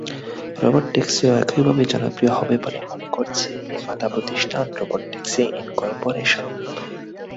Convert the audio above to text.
Robot ট্যাক্সিও একইভাবে জনপ্রিয় হবে বলে মনে করছে নির্মাতা প্রতিষ্ঠান রোবট ট্যাক্সি ইনকরপোরেশন।